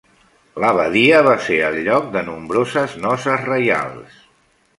L'abadia va ser el lloc de nombroses noces reials.